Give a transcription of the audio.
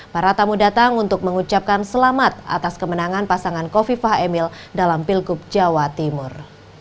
para tamu datang untuk mengucapkan selamat atas kemenangan pasangan kofifah emil dalam pilgub jawa timur